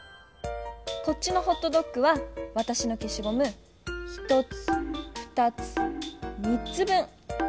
こっちのホットドッグはわたしのけしごむ１つ２つ３つ分。